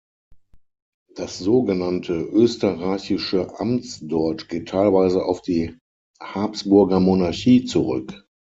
Das so genannte "österreichische Amtsdeutsch" geht teilweise auf die Habsburgermonarchie zurück.